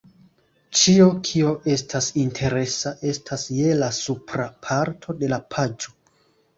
Ĉio kio estas interesa estas je la supra parto de la paĝo